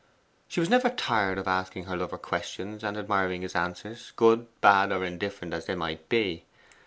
She was never tired of asking her lover questions and admiring his answers, good, bad, or indifferent as they might be.